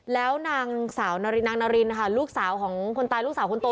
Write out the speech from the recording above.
แล้วนางสาวนางนารินนะคะลูกสาวของคนตายลูกสาวคนโต